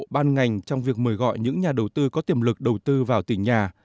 ban ngành trong việc mời gọi những nhà đầu tư có tiềm lực đầu tư vào tỉnh nhà